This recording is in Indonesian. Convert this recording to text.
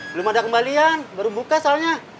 belum ada kembalian baru buka soalnya